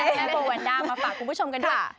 แม่โบวันด้ามาฝากคุณผู้ชมกันด้วย